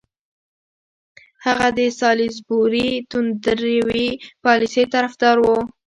هغه د سالیزبوري توندروي پالیسۍ طرفدار وو.